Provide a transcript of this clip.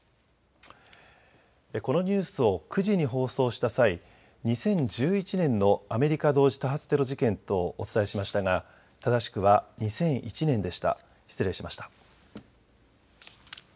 このニュースを９時に放送した際、２０１１年のアメリカ同時多発テロ事件とお伝えしましたが、正しくは２００１年でした、失礼しました。